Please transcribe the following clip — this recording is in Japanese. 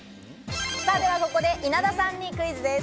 ではここで稲田さんにクイズです。